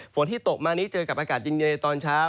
ที่ตกมานี้เจอกับอากาศเย็นในตอนเช้า